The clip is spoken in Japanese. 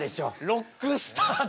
ロックスターと。